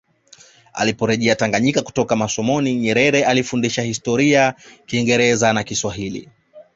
Aliporejea Tanganyika kutoka masomoni Nyerere alifundisha Historia Kingereza na Kiswahili